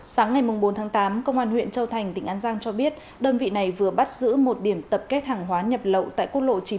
sáng ngày bốn tháng tám công an huyện châu thành tỉnh an giang cho biết đơn vị này vừa bắt giữ một điểm tập kết hàng hóa nhập lậu tại quốc lộ chín